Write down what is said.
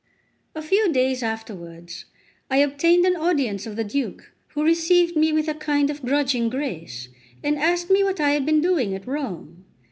A few days afterwards I obtained an audience of the Duke, who received me with a kind of grudging grace, and asked me what I had been doing at Rome.